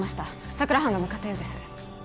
佐久良班が向かったようです